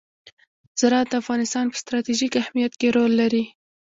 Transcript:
زراعت د افغانستان په ستراتیژیک اهمیت کې رول لري.